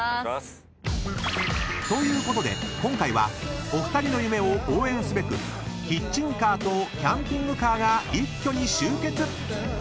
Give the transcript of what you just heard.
［ということで今回はお二人の夢を応援すべくキッチンカーとキャンピングカーが一挙に集結！］